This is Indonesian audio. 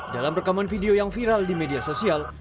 dalam rekaman video yang viral di media sosial